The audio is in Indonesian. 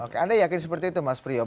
oke anda yakin seperti itu mas priyo